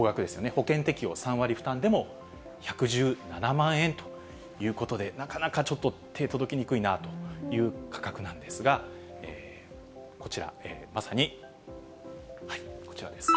保険適用３割負担でも１１７万円ということで、なかなかちょっと、手届きにくいなという価格なんですが、こちら、まさにこちらです。